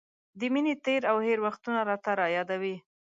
د مینې تېر او هېر وختونه راته را یادوي.